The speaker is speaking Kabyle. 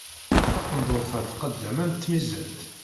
Taqendurt-a tqadd-am am tmizant.